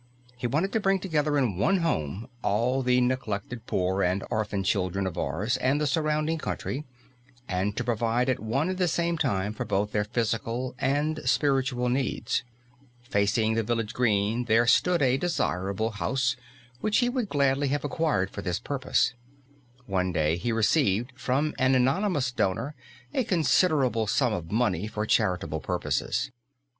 He wanted to bring together in one home all the neglected poor and orphan children of Ars and the surrounding country, and to provide at one and the same time for both their physical and spiritual needs. Facing the village green there stood a desirable house, which he would gladly have acquired for this purpose. One day he received from an anonymous donor a considerable sum of money for charitable purposes.